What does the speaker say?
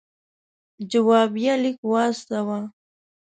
جوابیه لیک واستاوه.